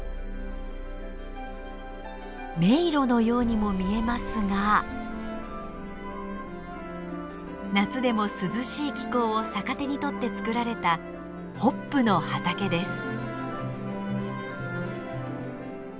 迷路のようにも見えますが夏でも涼しい気候を逆手に取って作られたホップの畑です。